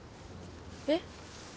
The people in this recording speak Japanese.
えっ？